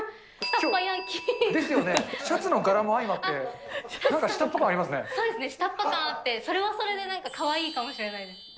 そうですね、下っ端感あって、それはそれでなんかかわいいかもしれないです。